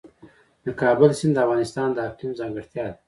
د کابل سیند د افغانستان د اقلیم ځانګړتیا ده.